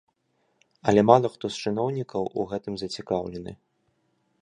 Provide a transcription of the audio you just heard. Але мала хто з чыноўнікаў у гэтым зацікаўлены.